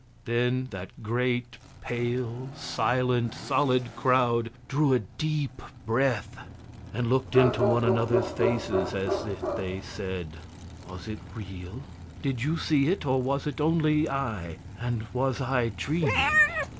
Then that great, pale, silent, solid crowd drew a deep breath and looked into one another's faces as if they said: "Was it real? Did you see it, or was it only I and was I dreaming?"